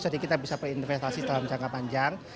jadi kita bisa berinvestasi dalam jangka panjang